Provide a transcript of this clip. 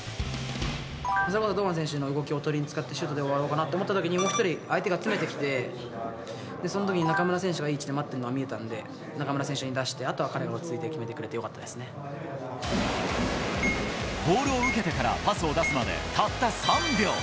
堂安選手の動きをおとりに使って、シュートで終わろうかなと思ったときに、もう１人相手が詰めてきて、そのときに中村選手がいい位置で待ってるのが見えたんで、中村選手に出して、あとは彼が落ち着いボールを受けてからパスを出すまでたった３秒。